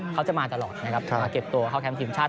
เขาจะมาตลอดนะครับมาเก็บตัวเข้าแคมป์ทีมชาติ